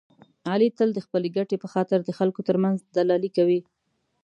علي تل د خپلې ګټې په خاطر د خلکو ترمنځ دلالي کوي.